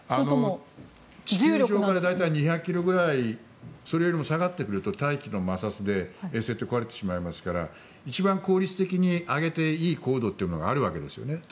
地球から大体２００ｋｍぐらいそれよりも下がってくると大気の摩擦で衛星って壊れてしまいますから一番効率的に上げていい高度というのがあるわけです。